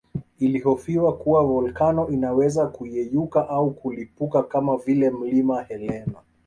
Ilihofiwa kuwa volkano inaweza kuyeyuka au kulipuka kama vile Mlima Helena